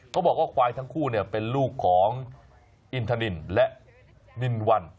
เขาบอกว่าควายทั้งคู่เป็นลูกของอินทนินและนินวัน